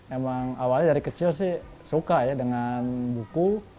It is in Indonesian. emang awalnya dari kecil sih suka ya dengan buku